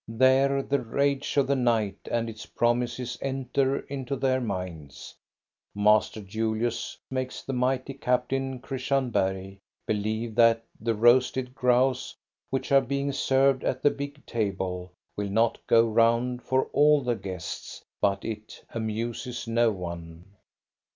There the rage of the night and its promises enter into their minds. Master Julius makes the mighty cap tain, Christian Bergh, believe that the roasted grouse, which are being served at the big table, will not go round for all the guests; but it amuses no one.